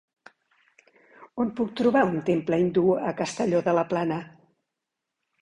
On puc trobar un temple hindú a Castelló de la Plana?